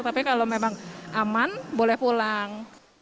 tapi kalau memang aman boleh pulang